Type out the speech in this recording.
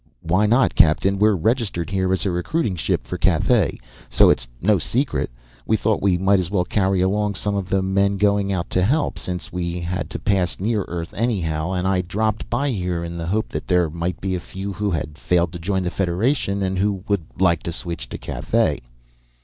"Why not, captain? We're registered here as a recruiting ship for Cathay, so it's no secret. We thought we might as well carry along some of the men going out to help, since we had to pass near Earth anyhow. And I dropped by here in the hope that there might be a few who had failed to join the Federation and who would like to switch to Cathay."